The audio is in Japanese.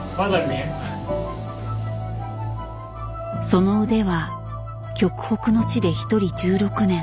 その腕は極北の地で一人１６年